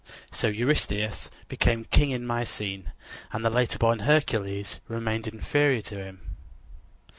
So Eurystheus became king in Mycene, and the later born Hercules remained inferior to him.